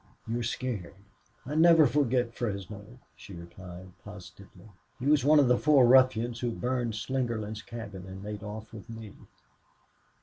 "You're scared." "I'd never forget Fresno," she replied, positively. "He was one of the four ruffians who burned Slingerland's cabin and made off with me."